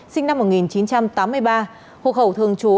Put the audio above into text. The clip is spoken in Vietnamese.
sinh năm một nghìn chín trăm tám mươi ba hộ khẩu thường trú